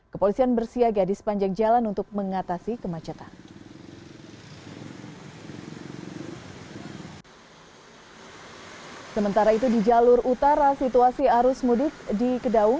kepolisian bersiaga di sepanjang jalan untuk mengatasi kemacetan